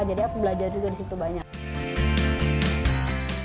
jadi aku belajar juga disitu banyak